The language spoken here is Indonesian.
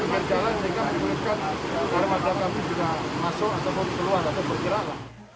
hai lalu lalu lule galau lcamat